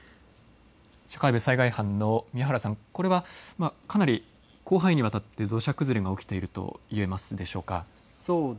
社会部災害班の宮原さん、これはかなり広範囲にわたって土砂崩れが起きていると言えますか。